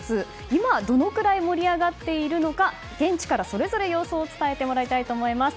今どれくらい盛り上がっているのか現地からそれぞれ様子を伝えてもらいたいと思います。